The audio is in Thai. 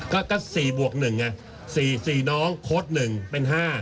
ก็๔บวก๑ไง๔น้องโค้ด๑เป็น๕